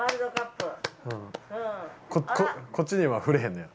こっちには触れへんのや。